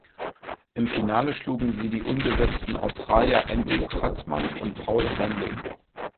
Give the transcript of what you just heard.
Im Finale schlugen sie die ungesetzten Australier Andrew Kratzmann und Paul Hanley.